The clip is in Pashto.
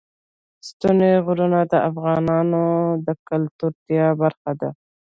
ستوني غرونه د افغانانو د ګټورتیا برخه ده.